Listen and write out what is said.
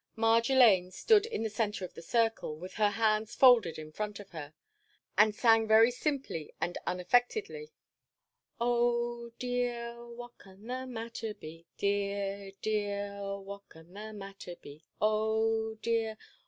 Marjolaine stood in the centre of the circle, with her hands folded in front of her, and sang very simply and unaffectedly: "Oh, dear! What can the matter be? Dear, dear! What can the matter be? Oh, dear!